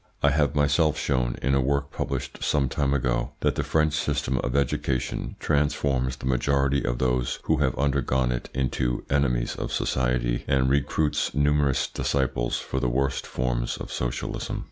I have myself shown, in a work published some time ago, that the French system of education transforms the majority of those who have undergone it into enemies of society, and recruits numerous disciples for the worst forms of socialism.